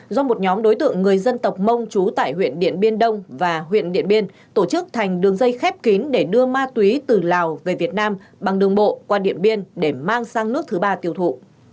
do một nhóm đối tượng người dân tộc mông trú tại huyện điện biên đông và huyện điện biên tổ chức thành đường dây khép kín để đưa ma túy từ lào về việt nam bằng đường bộ qua điện biên để mang sang nước thứ ba tiêu thụ